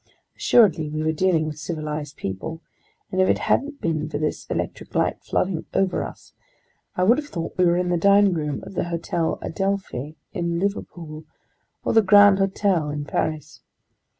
Assuredly, we were dealing with civilized people, and if it hadn't been for this electric light flooding over us, I would have thought we were in the dining room of the Hotel Adelphi in Liverpool, or the Grand Hotel in Paris.